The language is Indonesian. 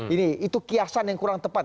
ini itu kiasan yang kurang tepat